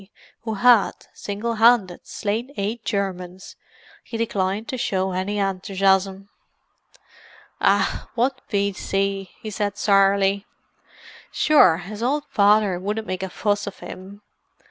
who had, single handed, slain eight Germans, he declined to show any enthusiasm. "Ah, what V.C.!" he said sourly. "Sure, his owld father wouldn't make a fuss of him.